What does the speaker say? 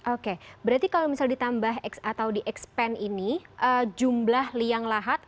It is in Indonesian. oke berarti kalau misalnya ditambah atau di ekspan ini jumlah liang lahatnya